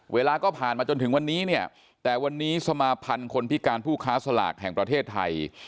เวลาก็ผ่านมาจนถึงวันนี้เนี่ยแต่วันนี้สมาพันธ์คนพิการผู้ค้าสลากแห่งประเทศไทย